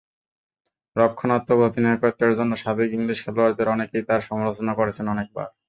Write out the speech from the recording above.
রক্ষণাত্মক অধিনায়কত্বের জন্য সাবেক ইংলিশ খেলোয়াড়দের অনেকেই তাঁর সমালোচনা করেছেন অনেকবার।